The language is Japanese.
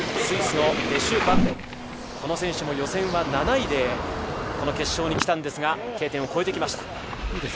スイスのデシュバンデン、この選手は予選７位で決勝に来たんですが、Ｋ点を越えてきました。